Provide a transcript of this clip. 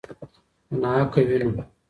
په ناحقه وینو